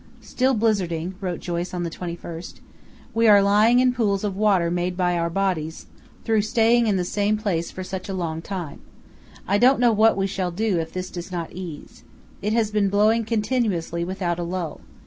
"Still blizzarding," wrote Joyce again on the 21st. "We are lying in pools of water made by our bodies through staying in the same place for such a long time. I don't know what we shall do if this does not ease. It has been blowing continuously without a lull.